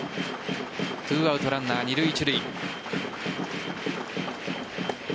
２アウトランナー二塁・一塁。